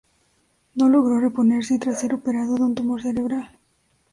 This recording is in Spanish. No logró reponerse tras ser operado de un tumor cerebral.